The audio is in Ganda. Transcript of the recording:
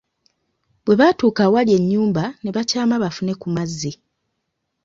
Bwe baatuuka awali ennyumba, ne bakyama bafune ku mazzi.